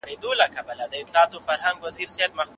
د پښتو په ادبیاتو کي د احمد شاه ابدالي یادونه څنګه سوي ده؟